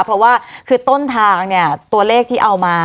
เพราะว่าคือต้นทางเนี่ยตัวเลขที่เอามา